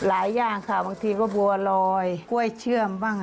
อย่างค่ะบางทีก็บัวลอยกล้วยเชื่อมบ้าง